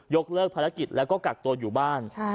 เลิกภารกิจแล้วก็กักตัวอยู่บ้าน